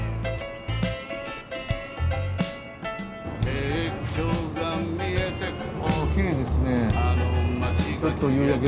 「鉄橋が見えてくる」